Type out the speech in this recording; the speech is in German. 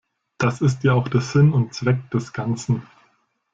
Das ist ja auch der Sinn und Zweck des Ganzen.